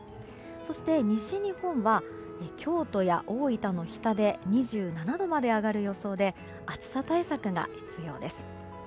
そして、西日本は京都や大分の日田で２７度まで上がる予想で暑さ対策が必要です。